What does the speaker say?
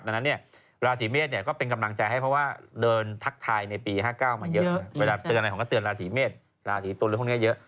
ดังนั้นราศีเมฆก็เป็นกำลังใจให้เพราะว่าเดินทักทายปี๕๐เท่ามาเยอะ